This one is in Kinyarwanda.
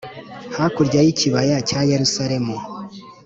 hakurya y ikibaya cya yerusalemu